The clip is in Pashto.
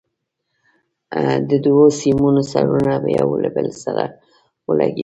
د دوو سیمونو سرونه یو له بل سره ولګوئ.